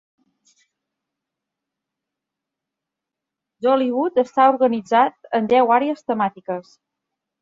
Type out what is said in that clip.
Dollywood està organitzat en deu àrees temàtiques.